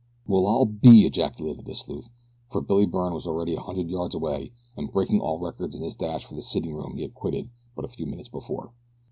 "Well, I'll be!" ejaculated the sleuth, for Billy Byrne was already a hundred yards away and breaking all records in his dash for the sitting room he had quitted but a few minutes before.